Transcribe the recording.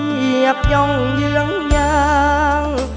เหยียบย่องเยื้องยาง